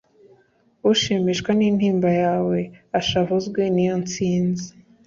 ushimishwa n’intimba yawe ashavuzwe niyo nsinzi